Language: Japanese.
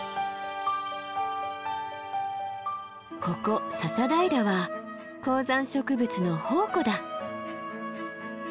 ここ笹平は高山植物の宝庫だ。